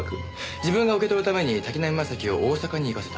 自分が受け取るために滝浪正輝を大阪に行かせた。